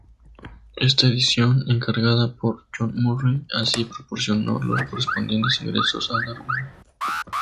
Esta edición, encargada por John Murray, sí proporcionó los correspondientes ingresos a Darwin.